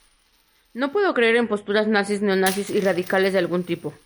No puedo creer en posturas nazis, neonazis, o radicales de ningún tipo.